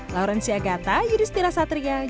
laurencia gata yudhistira satria jawa